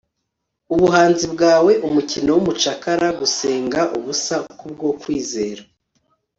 Ubuhanzi bwawe umukino wumucakara gusenga ubusa kubwo kwizera